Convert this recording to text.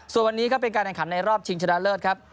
ส่วนวันนี้ก็เป็นการแข่งขันในรอบชิงชนะเลิศครับ